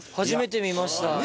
初めて見ました。